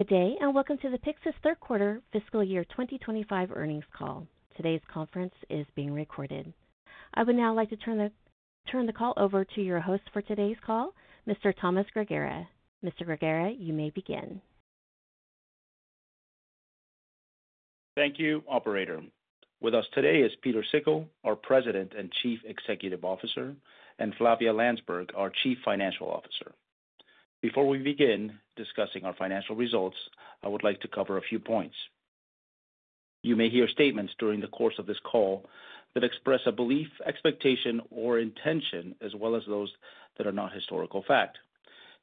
Good day and welcome to the Pyxus third quarter fiscal year 2025 earnings call. Today's conference is being recorded. I would now like to turn the call over to your host for today's call, Mr. Tomas Grigera. Mr. Grigera, you may begin. Thank you, Operator. With us today is Pieter Sikkel, our President and Chief Executive Officer, and Flavia Landsberg, our Chief Financial Officer. Before we begin discussing our financial results, I would like to cover a few points. You may hear statements during the course of this call that express a belief, expectation, or intention, as well as those that are not historical fact.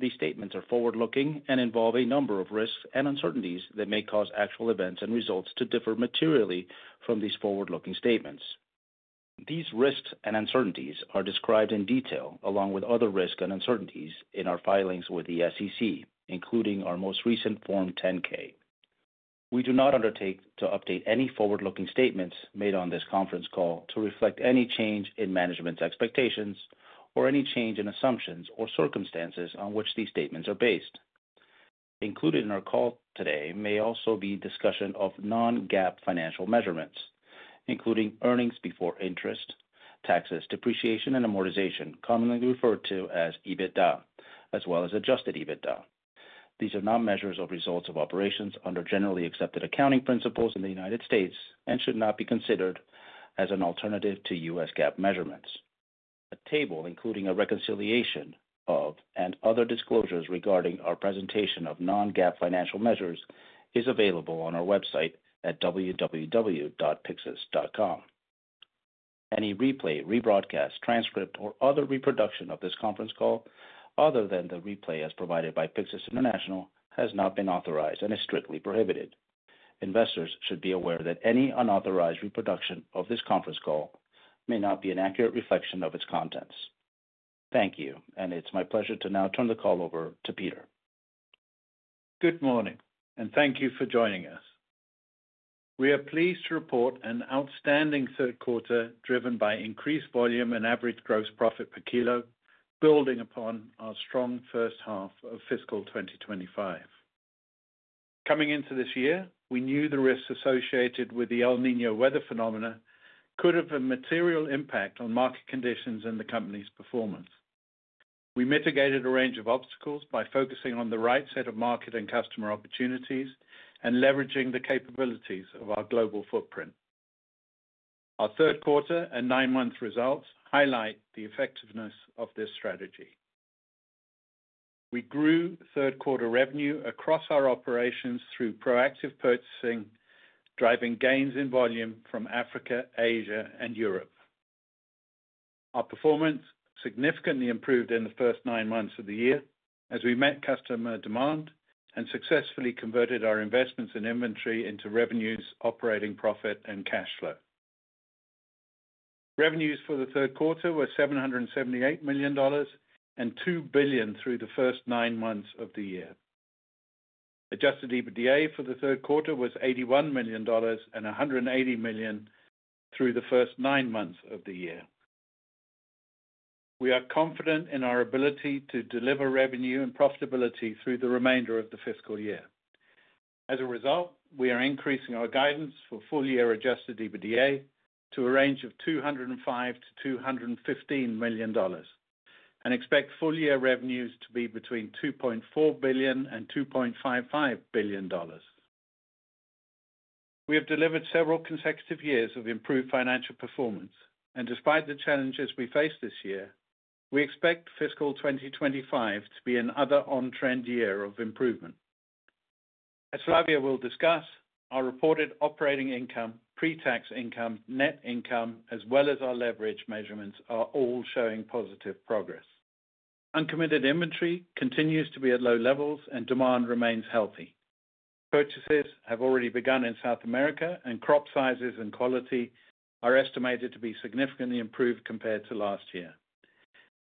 These statements are forward-looking and involve a number of risks and uncertainties that may cause actual events and results to differ materially from these forward-looking statements. These risks and uncertainties are described in detail, along with other risks and uncertainties, in our filings with the SEC, including our most recent Form 10-K. We do not undertake to update any forward-looking statements made on this conference call to reflect any change in management's expectations or any change in assumptions or circumstances on which these statements are based. Included in our call today may also be discussion of non-GAAP financial measurements, including earnings before interest, taxes, depreciation, and amortization, commonly referred to as EBITDA, as well as adjusted EBITDA. These are not measures of results of operations under generally accepted accounting principles in the United States and should not be considered as an alternative to U.S. GAAP measurements. A table including a reconciliation of and other disclosures regarding our presentation of non-GAAP financial measures is available on our website at www.pyxus.com. Any replay, rebroadcast, transcript, or other reproduction of this conference call other than the replay as provided by Pyxus International has not been authorized and is strictly prohibited. Investors should be aware that any unauthorized reproduction of this conference call may not be an accurate reflection of its contents. Thank you, and it's my pleasure to now turn the call over to Pieter. Good morning, and thank you for joining us. We are pleased to report an outstanding third quarter driven by increased volume and average gross profit per kilo, building upon our strong first half of fiscal 2025. Coming into this year, we knew the risks associated with the El Niño weather phenomena could have a material impact on market conditions and the company's performance. We mitigated a range of obstacles by focusing on the right set of market and customer opportunities and leveraging the capabilities of our global footprint. Our third quarter and nine-month results highlight the effectiveness of this strategy. We grew third quarter revenue across our operations through proactive purchasing, driving gains in volume from Africa, Asia, and Europe. Our performance significantly improved in the first nine months of the year as we met customer demand and successfully converted our investments and inventory into revenues, operating profit, and cash flow. Revenues for the third quarter were $778 million and $2 billion through the first nine months of the year. Adjusted EBITDA for the third quarter was $81 million and $180 million through the first nine months of the year. We are confident in our ability to deliver revenue and profitability through the remainder of the fiscal year. As a result, we are increasing our guidance for full-year adjusted EBITDA to a range of $205 million-$215 million and expect full-year revenues to be between $2.4 billion and $2.55 billion. We have delivered several consecutive years of improved financial performance, and despite the challenges we faced this year, we expect fiscal 2025 to be another on-trend year of improvement. As Flavia will discuss, our reported operating income, pre-tax income, net income, as well as our leverage measurements, are all showing positive progress. Uncommitted inventory continues to be at low levels, and demand remains healthy. Purchases have already begun in South America, and crop sizes and quality are estimated to be significantly improved compared to last year.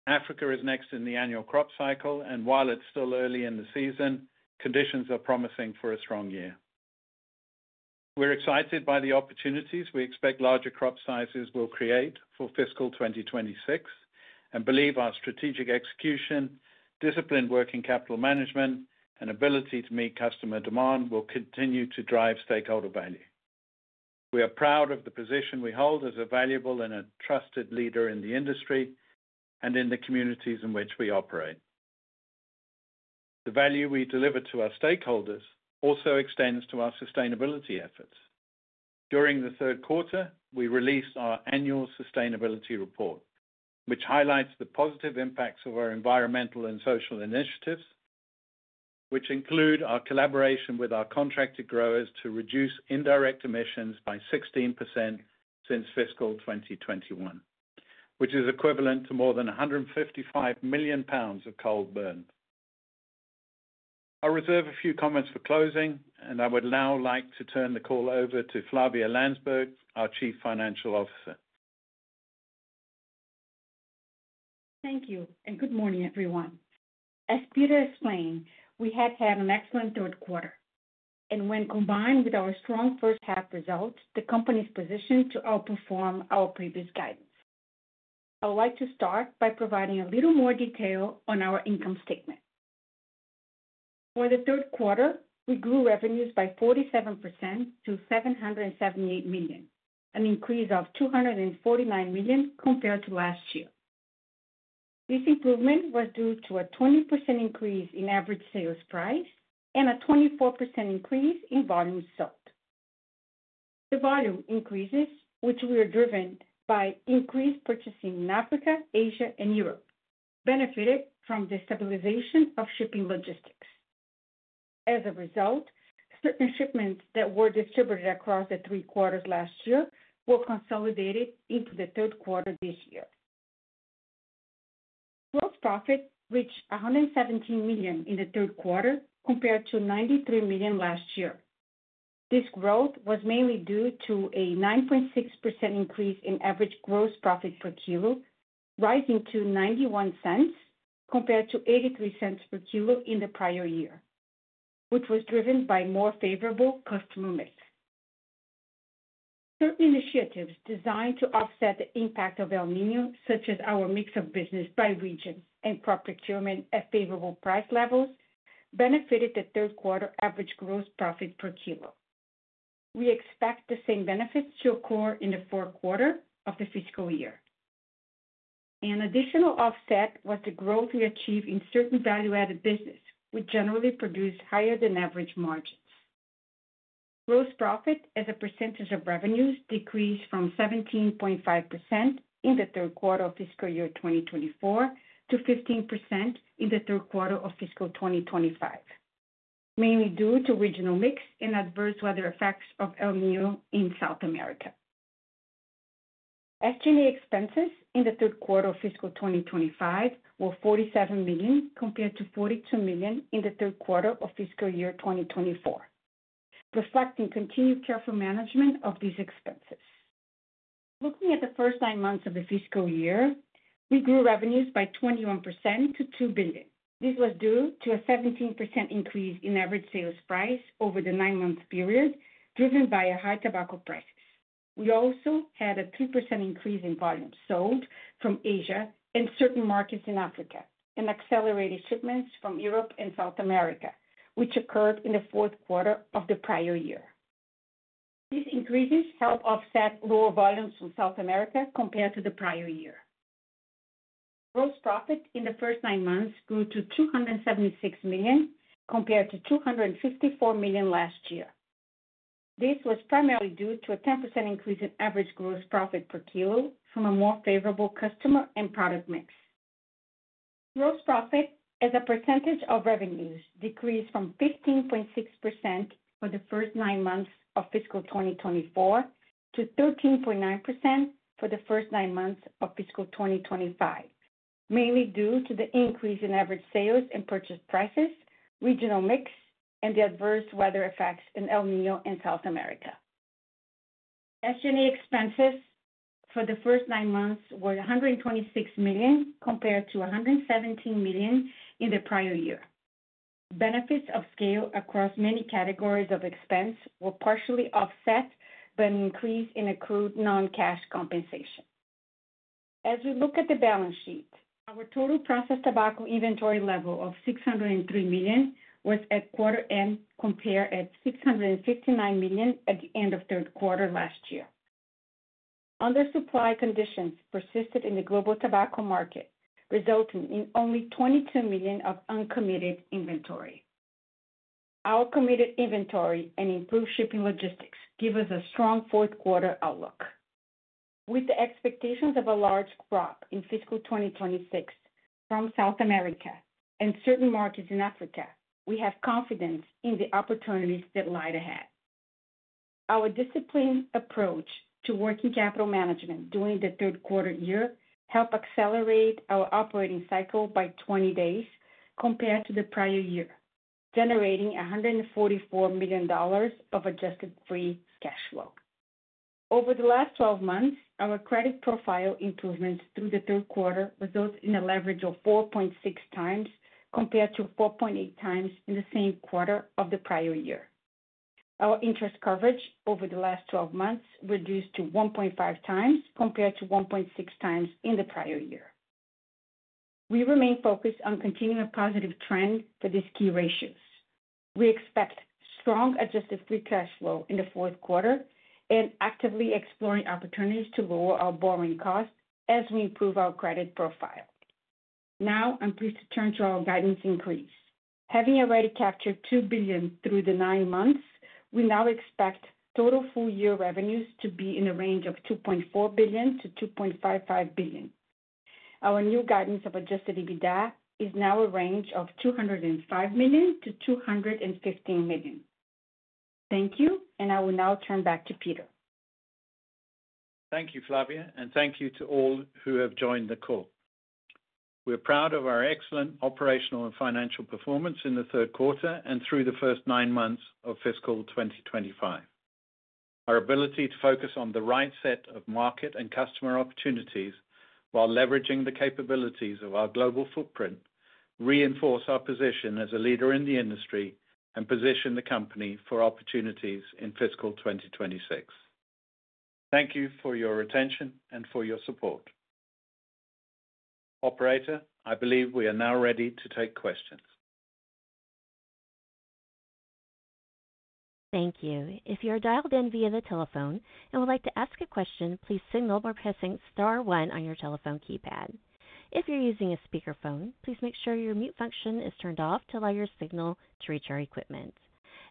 Africa is next in the annual crop cycle, and while it is still early in the season, conditions are promising for a strong year. We are excited by the opportunities we expect larger crop sizes will create for fiscal 2026 and believe our strategic execution, disciplined working capital management, and ability to meet customer demand will continue to drive stakeholder value. We are proud of the position we hold as a valuable and a trusted leader in the industry and in the communities in which we operate. The value we deliver to our stakeholders also extends to our sustainability efforts. During the third quarter, we released our annual sustainability report, which highlights the positive impacts of our environmental and social initiatives, which include our collaboration with our contracted growers to reduce indirect emissions by 16% since fiscal 2021, which is equivalent to more than 155 million lbs of coal burns. I'll reserve a few comments for closing, and I would now like to turn the call over to Flavia Landsberg, our Chief Financial Officer. Thank you, and good morning, everyone. As Pieter explained, we have had an excellent third quarter, and when combined with our strong first half results, the company is positioned to outperform our previous guidance. I would like to start by providing a little more detail on our income statement. For the third quarter, we grew revenues by 47% to $778 million, an increase of $249 million compared to last year. This improvement was due to a 20% increase in average sales price and a 24% increase in volume sold. The volume increases, which were driven by increased purchasing in Africa, Asia, and Europe, benefited from the stabilization of shipping logistics. As a result, certain shipments that were distributed across the three quarters last year were consolidated into the third quarter this year. Gross profit reached $117 million in the third quarter compared to $93 million last year. This growth was mainly due to a 9.6% increase in average gross profit per kilo, rising to $0.91 compared to $0.83 per kilo in the prior year, which was driven by more favorable customer mix. Certain initiatives designed to offset the impact of El Niño, such as our mix of business by region and crop procurement at favorable price levels, benefited the third quarter average gross profit per kilo. We expect the same benefits to occur in the fourth quarter of the fiscal year. An additional offset was the growth we achieved in certain value-added business, which generally produced higher-than-average margins. Gross profit, as a percentage of revenues, decreased from 17.5% in the third quarter of fiscal year 2024 to 15% in the third quarter of fiscal 2025, mainly due to regional mix and adverse weather effects of El Niño in South America. Our SG&A expenses in the third quarter of fiscal 2025 were $47 million compared to $42 million in the third quarter of fiscal year 2024, reflecting continued careful management of these expenses. Looking at the first nine months of the fiscal year, we grew revenues by 21% to $2 billion. This was due to a 17% increase in average sales price over the nine-month period, driven by high tobacco prices. We also had a 3% increase in volume sold from Asia and certain markets in Africa, and accelerated shipments from Europe and South America, which occurred in the fourth quarter of the prior year. These increases helped offset lower volumes from South America compared to the prior year. Gross profit in the first nine months grew to $276 million compared to $254 million last year. This was primarily due to a 10% increase in average gross profit per kilo from a more favorable customer and product mix. Gross profit, as a percentage of revenues, decreased from 15.6% for the first nine months of fiscal 2024 to 13.9% for the first nine months of fiscal 2025, mainly due to the increase in average sales and purchase prices, regional mix, and the adverse weather effects in El Niño and South America. SG&A expenses for the first nine months were $126 million compared to $117 million in the prior year. Benefits of scale across many categories of expense were partially offset by an increase in accrued non-cash compensation. As we look at the balance sheet, our total processed tobacco inventory level of $603 million was at quarter-end compared to $659 million at the end of third quarter last year. Under-supply conditions persisted in the global tobacco market, resulting in only $22 million of uncommitted inventory. Our committed inventory and improved shipping logistics give us a strong fourth quarter outlook. With the expectations of a large crop in fiscal 2026 from South America and certain markets in Africa, we have confidence in the opportunities that lie ahead. Our disciplined approach to working capital management during the third quarter year helped accelerate our operating cycle by 20 days compared to the prior year, generating $144 million of adjusted free cash flow. Over the last 12 months, our credit profile improvements through the third quarter result in a leverage of 4.6 times compared to 4.8 times in the same quarter of the prior year. Our interest coverage over the last 12 months reduced to 1.5 times compared to 1.6 times in the prior year. We remain focused on continuing a positive trend for these key ratios. We expect strong adjusted free cash flow in the fourth quarter and are actively exploring opportunities to lower our borrowing cost as we improve our credit profile. Now, I'm pleased to turn to our guidance increase. Having already captured $2 billion through the nine months, we now expect total full-year revenues to be in the range of $2.4 billion-$2.55 billion. Our new guidance of adjusted EBITDA is now a range of $205 million-$215 million. Thank you, and I will now turn back to Pieter. Thank you, Flavia, and thank you to all who have joined the call. We're proud of our excellent operational and financial performance in the third quarter and through the first nine months of fiscal 2025. Our ability to focus on the right set of market and customer opportunities while leveraging the capabilities of our global footprint reinforces our position as a leader in the industry and positions the company for opportunities in fiscal 2026. Thank you for your attention and for your support. Operator, I believe we are now ready to take questions. Thank you. If you are dialed in via the telephone and would like to ask a question, please signal by pressing star one on your telephone keypad. If you're using a speakerphone, please make sure your mute function is turned off to allow your signal to reach our equipment.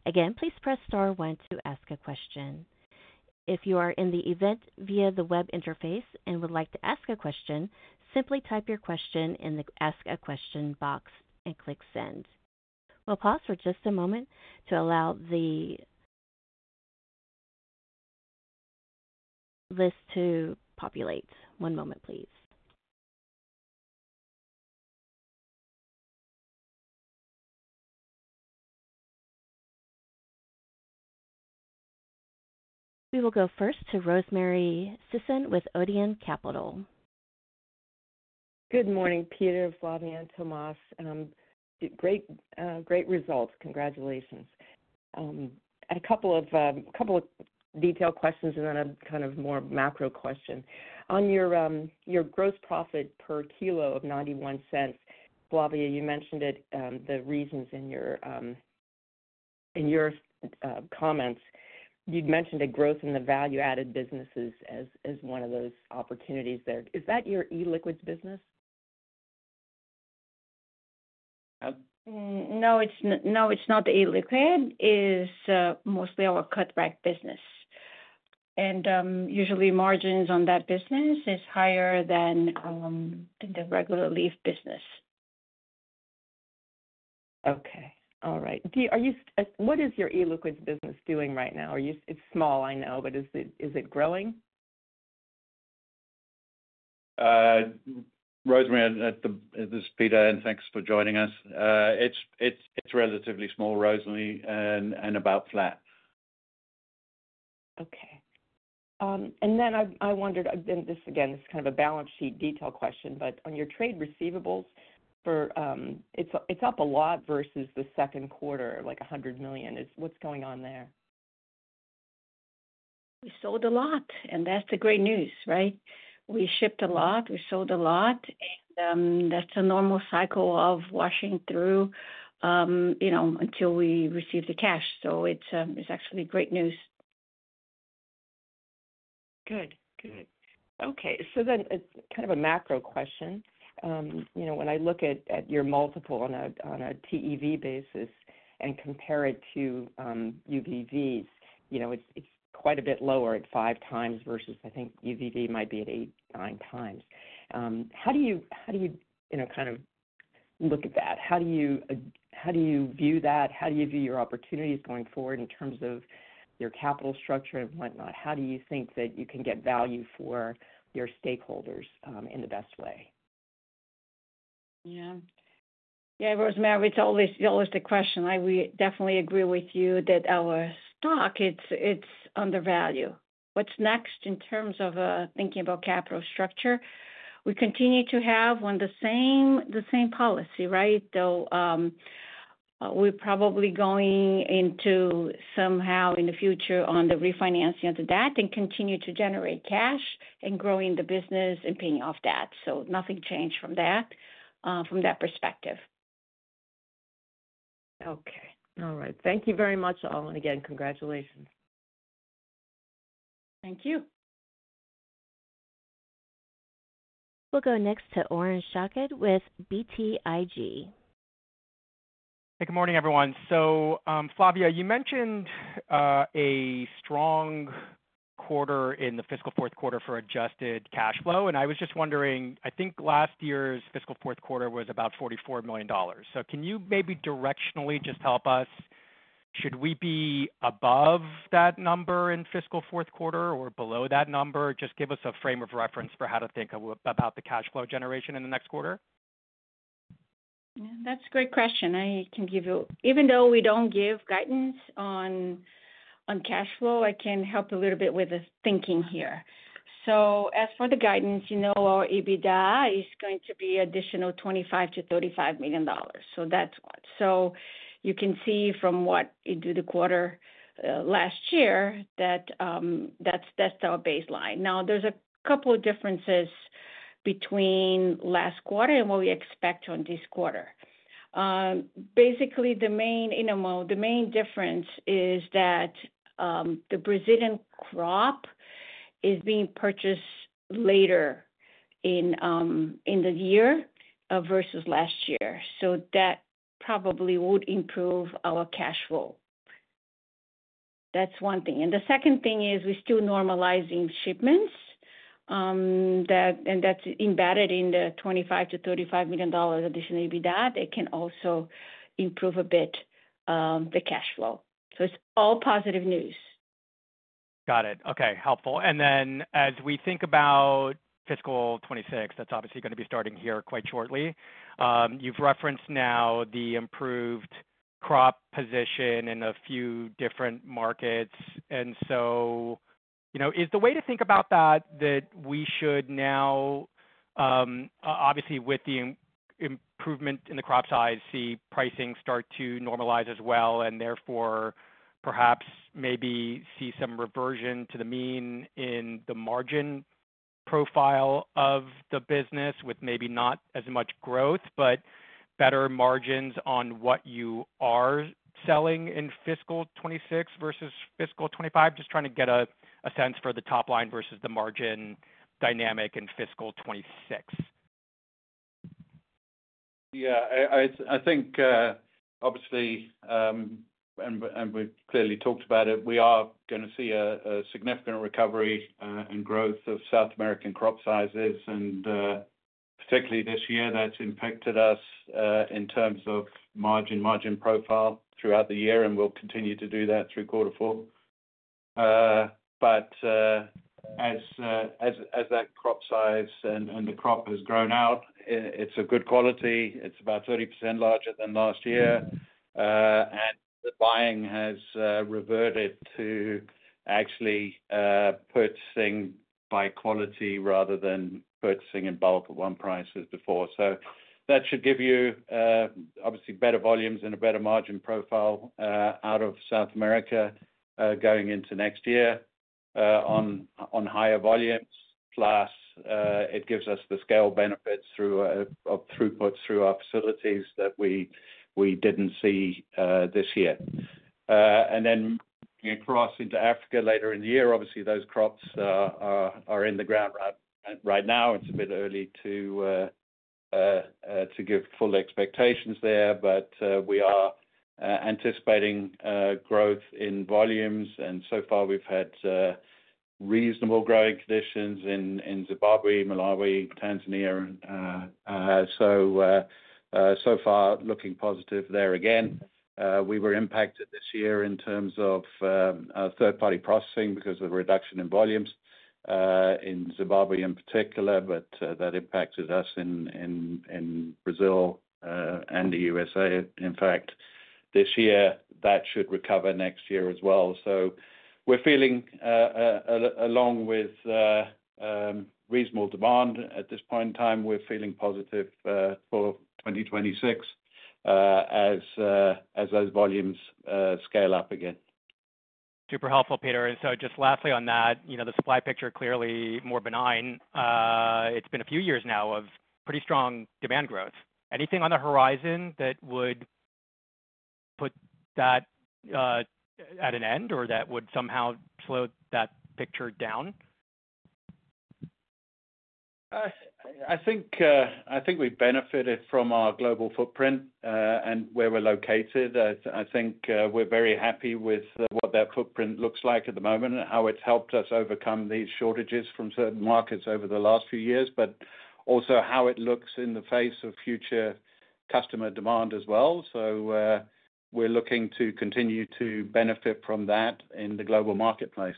Again, please press star one to ask a question. If you are in the event via the web interface and would like to ask a question, simply type your question in the Ask a Question box and click Send. We'll pause for just a moment to allow the list to populate. One moment, please. We will go first to Rosemary Sisson with Odeon Capital. Good morning, Pieter, Flavia, and Tomas. Great, great results. Congratulations. A couple of detailed questions and then a kind of more macro question. On your gross profit per kilo of $0.91, Flavia, you mentioned the reasons in your comments. You'd mentioned a growth in the value-added businesses as one of those opportunities there. Is that your e-liquids business? No, it's not the e-liquid. It's mostly our cut rag business. Usually, margins on that business are higher than in the regular leaf business. Okay. All right. What is your e-liquids business doing right now? It's small, I know, but is it growing? Rosemary, this is Pieter, and thanks for joining us. It's relatively small, Rosemary, and about flat. Okay. I wondered, and this again, it's kind of a balance sheet detail question, but on your trade receivables, it's up a lot versus the second quarter, like $100 million. What's going on there? We sold a lot, and that's the great news, right? We shipped a lot. We sold a lot. That's a normal cycle of washing through until we receive the cash. It is actually great news. Good. Good. Okay. It is kind of a macro question. When I look at your multiple on a TEV basis and compare it to UVV's, it is quite a bit lower at five times versus, I think, UVV might be at eight, nine times. How do you kind of look at that? How do you view that? How do you view your opportunities going forward in terms of your capital structure and whatnot? How do you think that you can get value for your stakeholders in the best way? Yeah. Yeah, Rosemary, it's always the question. I definitely agree with you that our stock, it's undervalued. What's next in terms of thinking about capital structure? We continue to have the same policy, right? We're probably going into somehow in the future on the refinancing of the debt and continue to generate cash and growing the business and paying off debt. Nothing changed from that perspective. Okay. All right. Thank you very much, all. Again, congratulations. Thank you. We'll go next to Oren Shaked with BTIG. Hey, good morning, everyone. Flavia, you mentioned a strong quarter in the fiscal fourth quarter for adjusted cash flow. I was just wondering, I think last year's fiscal fourth quarter was about $44 million. Can you maybe directionally just help us? Should we be above that number in fiscal fourth quarter or below that number? Just give us a frame of reference for how to think about the cash flow generation in the next quarter. Yeah. That's a great question. I can give you, even though we don't give guidance on cash flow, I can help a little bit with the thinking here. As for the guidance, our EBITDA is going to be an additional $25 million-$35 million. That's what. You can see from what we did the quarter last year that that's our baseline. Now, there's a couple of differences between last quarter and what we expect on this quarter. Basically, the main difference is that the Brazilian crop is being purchased later in the year versus last year. That probably would improve our cash flow. That's one thing. The second thing is we're still normalizing shipments, and that's embedded in the $25 million-$35 million additional EBITDA. It can also improve a bit the cash flow. It's all positive news. Got it. Okay. Helpful. As we think about fiscal 2026, that's obviously going to be starting here quite shortly. You've referenced now the improved crop position in a few different markets. Is the way to think about that that we should now, obviously, with the improvement in the crop size, see pricing start to normalize as well, and therefore perhaps maybe see some reversion to the mean in the margin profile of the business with maybe not as much growth, but better margins on what you are selling in fiscal 2026 versus fiscal 2025? Just trying to get a sense for the top line versus the margin dynamic in fiscal 2026. Yeah. I think, obviously, and we've clearly talked about it, we are going to see a significant recovery in growth of South American crop sizes, and particularly this year, that's impacted us in terms of margin profile throughout the year, and we'll continue to do that through quarter four. As that crop size and the crop has grown out, it's a good quality. It's about 30% larger than last year. The buying has reverted to actually purchasing by quality rather than purchasing in bulk at one price as before. That should give you, obviously, better volumes and a better margin profile out of South America going into next year on higher volumes. Plus, it gives us the scale benefits of throughput through our facilities that we didn't see this year. Moving across into Africa later in the year, obviously, those crops are in the ground right now. It's a bit early to give full expectations there, but we are anticipating growth in volumes. So far, we've had reasonable growing conditions in Zimbabwe, Malawi, Tanzania. So far, looking positive there again. We were impacted this year in terms of third-party processing because of the reduction in volumes in Zimbabwe in particular, but that impacted us in Brazil and the U.S. In fact, this year, that should recover next year as well. We are feeling, along with reasonable demand at this point in time, positive for 2026 as those volumes scale up again. Super helpful, Pieter. Just lastly on that, the supply picture is clearly more benign. It's been a few years now of pretty strong demand growth. Anything on the horizon that would put that at an end or that would somehow slow that picture down? I think we benefited from our global footprint and where we're located. I think we're very happy with what that footprint looks like at the moment and how it's helped us overcome these shortages from certain markets over the last few years, but also how it looks in the face of future customer demand as well. We are looking to continue to benefit from that in the global marketplace.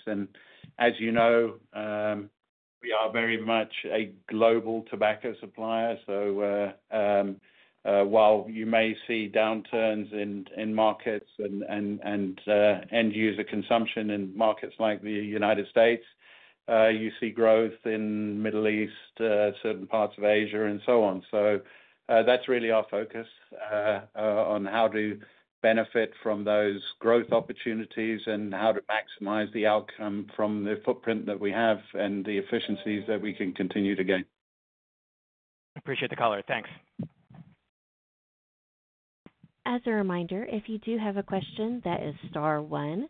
As you know, we are very much a global tobacco supplier. While you may see downturns in markets and end-user consumption in markets like the United States, you see growth in the Middle East, certain parts of Asia, and so on. That is really our focus on how to benefit from those growth opportunities and how to maximize the outcome from the footprint that we have and the efficiencies that we can continue to gain. Appreciate the color. Thanks. As a reminder, if you do have a question, that is star one.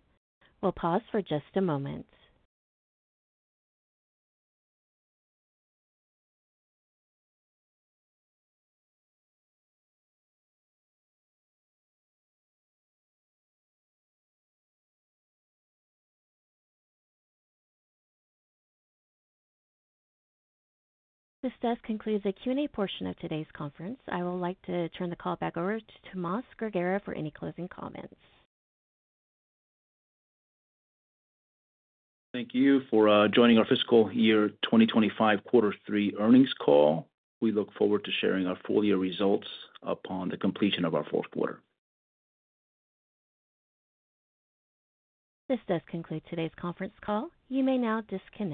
We'll pause for just a moment. This does conclude the Q&A portion of today's conference. I would like to turn the call back over to Tomas Grigera for any closing comments. Thank you for joining our fiscal year 2025 quarter three earnings call. We look forward to sharing our full year results upon the completion of our fourth quarter. This does conclude today's conference call. You may now disconnect.